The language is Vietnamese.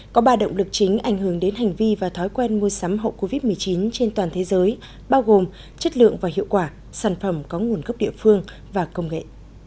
có ba động lực chính ảnh hưởng đến hành vi và thói quen mua sắm hậu covid một mươi chín trên toàn thế giới bao gồm chất lượng và hiệu quả sản phẩm có nguồn gốc địa phương và công nghệ